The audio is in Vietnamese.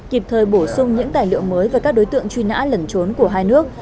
kịp thời bổ sung những tài liệu mới về các đối tượng truy nã lẩn trốn của hai nước